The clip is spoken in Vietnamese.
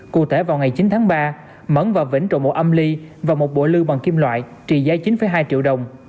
cụ thể vào ngày chín tháng ba mẫn và vĩnh trộn một âm ly và một bộ lưu bằng kim loại trị giá chín hai triệu đồng